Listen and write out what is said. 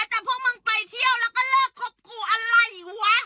แต่พวกมึงไปเที่ยวแล้วก็เลิกคบกูอะไรวะ